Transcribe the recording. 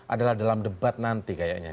adalah dalam debat nanti